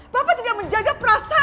bapak tidak menjaga perasaanmu ya